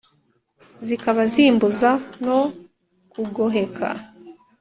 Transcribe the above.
Zikaba zimbuza no kugoheka.